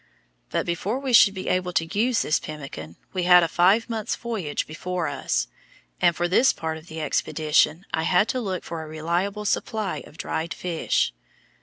But before we should be able to use this pemmican we had a five months' voyage before us, and for this part of the expedition I had to look for a reliable supply of dried fish.